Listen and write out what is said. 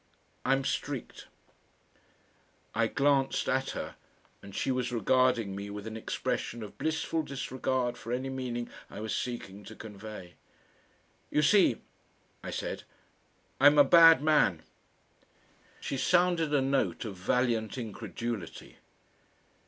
I'm streaked." I glanced at her, and she was regarding me with an expression of blissful disregard for any meaning I was seeking to convey. "You see," I said, "I'm a bad man." She sounded a note of valiant incredulity.